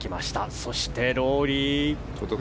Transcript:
そして、ロウリー。